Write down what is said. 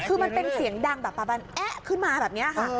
คือมันเป็นเสียงดังแบบประมาณแอ๊ะขึ้นมาแบบนี้ค่ะ